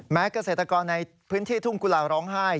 เกษตรกรในพื้นที่ทุ่งกุลาร้องไห้